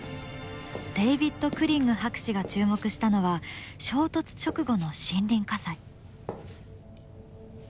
デイヴィッド・クリング博士が注目したのは衝突直後の森林火災。